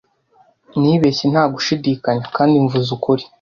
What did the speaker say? nibeshye ntagushidikanya kandi mvuze ukuri